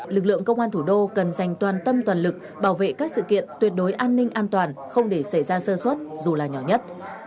lực lượng công an thủ đô cần dành toàn tâm toàn lực bảo vệ các sự kiện tuyệt đối an ninh an toàn không để xảy ra sơ xuất dù là nhỏ nhất